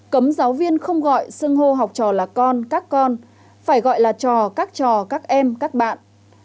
cấm giáo viên không gọi sưng hô học trò là con các con phải gọi là trò các trò các em các bạn